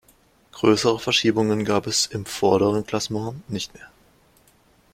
Größere Verschiebungen gab es im vorderen Klassement nicht mehr.